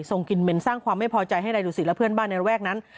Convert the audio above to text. กินเหม็นสร้างความไม่พอใจให้นายดูสิตและเพื่อนบ้านในระแวกนั้น